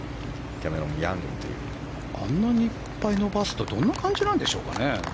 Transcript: あんなにいっぱい伸ばすとどんな感じなんでしょうかね？